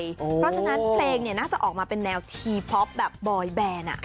เพราะฉะนั้นเพลงน่าจะออกมาเป็นแนวทีพอปแบบบอยแบน